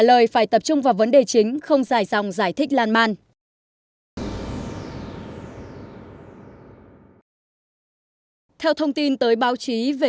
lời phải tập trung vào vấn đề chính không dài dòng giải thích lan man theo thông tin tới báo chí về